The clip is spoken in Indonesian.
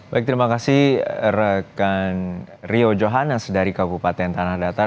baik terima kasih rekan rio johannes dari kabupaten tanah datar